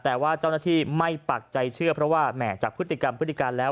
แต่ว่าเจ้าหน้าที่ไม่ปักใจเชื่อเพราะว่าแหม่จากพฤติกรรมพฤติการแล้ว